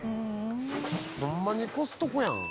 ホンマにコストコやん。